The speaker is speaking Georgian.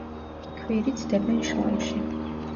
ქვირითს დებენ შლამში.